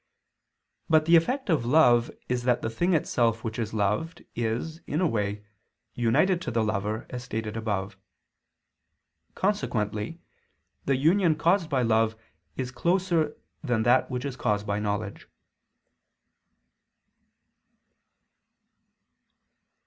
But the effect of love is that the thing itself which is loved, is, in a way, united to the lover, as stated above. Consequently the union caused by love is closer than that which is caused by knowledge.